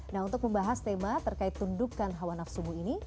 nah untuk membahas tema terkait tundukan hawa nafsumu ini